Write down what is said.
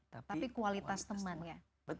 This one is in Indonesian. tapi kualitas temannya